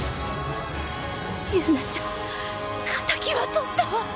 友奈ちゃん敵は取ったわ。